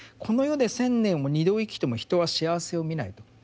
「この世で千年を二度生きても人は幸せを見ない」と。